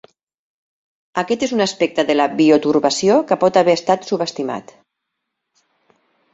Aquest és un aspecte de la bioturbació que pot haver estat subestimat.